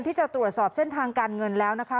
ที่จะตรวจสอบเส้นทางการเงินแล้วนะคะ